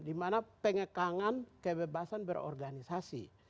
dimana pengekangan kebebasan berorganisasi